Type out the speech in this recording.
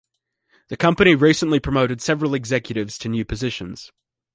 The company recently promoted several executives to new positions.